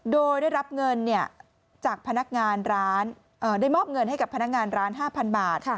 โดยได้รับเงินจากพนักงานร้านได้มอบเงินให้กับพนักงานร้าน๕๐๐บาท